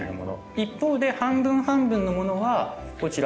一方で半分半分のものはこちら。